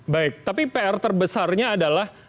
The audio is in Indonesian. baik tapi pr terbesarnya adalah